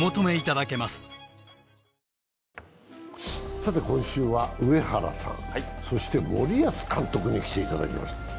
さて、今週は、上原さん、そして森保監督に来ていただきました。